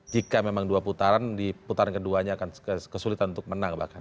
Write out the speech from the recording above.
jika memang dua putaran di putaran keduanya akan kesulitan untuk menang bahkan